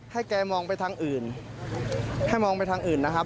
แกมองไปทางอื่นให้มองไปทางอื่นนะครับ